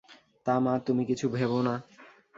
তা মা, তুমি কিছু ভেবো না।